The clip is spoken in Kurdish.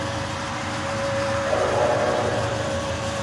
Ew av nade.